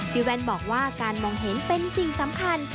แว่นบอกว่าการมองเห็นเป็นสิ่งสำคัญ